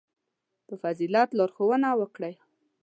• په فضیلت لارښوونه وکړئ.